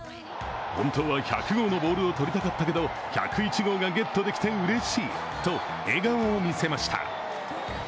本当は１００号のボールを取りたかったけど１０１号がゲットできてうれしいと笑顔を見せました。